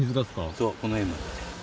そう、この辺まで。